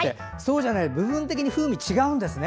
部分的に風味、違うんですね。